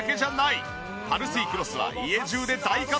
パルスイクロスは家中で大活躍。